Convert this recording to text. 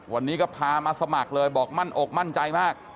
วันนี้ก็พามาสมัครเลยบอกมั่นอกมั่นใจมาก